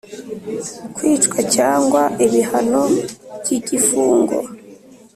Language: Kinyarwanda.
Kwicwa cyangwa ibihano by igifungo